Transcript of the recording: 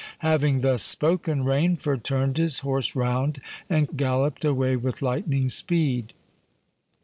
Having thus spoken, Rainford turned his horse round, and galloped away with lightning speed.